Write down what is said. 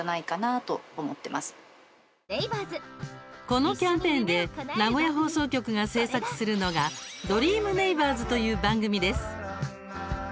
このキャンペーンで名古屋放送局が制作するのが「ドリーム★ネイバーズ」という番組です。